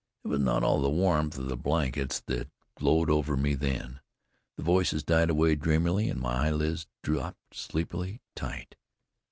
It was not all the warmth of the blankets that glowed over me then. The voices died away dreamily, and my eyelids dropped sleepily tight.